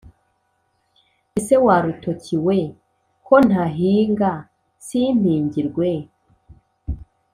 Ese wa rutoki we ko ntahinga simpingirwe,